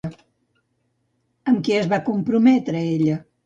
Amb qui es va prometre ella?